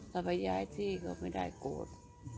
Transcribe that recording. แต่ไปย้ายที่เขาไม่ได้คูต